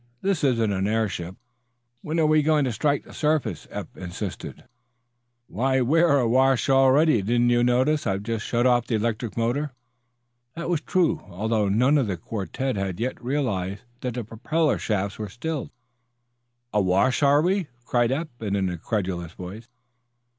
"This isn't an airship." "When are we going to strike the surface?" Eph insisted. "Why, we're awash already. Don't you notice I've just shut off the electric motor?" That was true, although none of the quartette had yet realized that the propeller shafts were stilled. "Awash, are we?" cried Eph, in an incredulous voice.